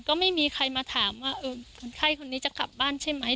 ก็ไม่มีใครมาถามว่าคนไข้คนนี้จะกลับบ้านใช่ไหม